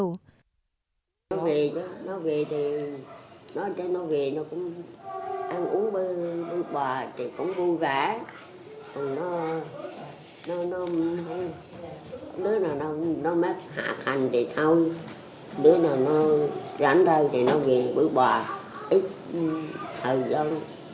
uống bữa bò thì cũng vui vẻ đứa nào nó mát hạt hành thì thôi đứa nào nó rảnh rơi thì nó về bữa bò ít thời gian